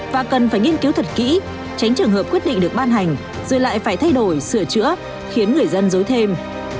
và cần phải nghiên cứu thật kỹ tránh trường hợp quyết định được ban hành rồi lại phải thay đổi sửa chữa khiến người dân dối thêm